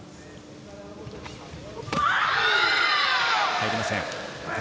入りません。